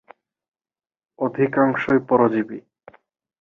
অধিকাংশই পরজীবী।